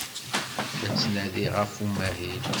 La ttnadiɣ ɣef umahil.